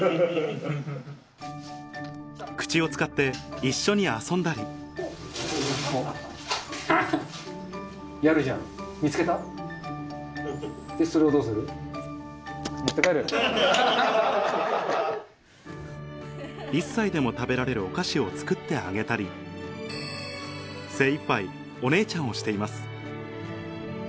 口を使って一緒に遊んだり１歳でも食べられるお菓子を作ってあげたり精いっぱいをしています